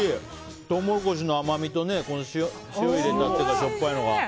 トウモロコシの甘みと塩を入れた、しょっぱいのが。